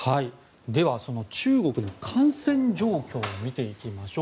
では中国の感染状況を見ていきましょう。